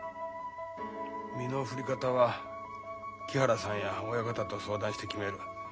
身の振り方は木原さんや親方と相談して決める。